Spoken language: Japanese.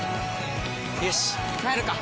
よし帰るか！